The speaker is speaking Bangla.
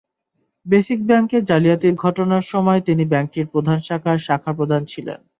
বেসিক ব্যাংকে জালিয়াতির ঘটনার সময় তিনি ব্যাংকটির প্রধান শাখার শাখাপ্রধান ছিলেন।